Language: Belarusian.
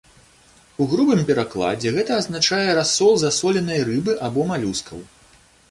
У грубым перакладзе гэта азначае расол засоленай рыбы або малюскаў.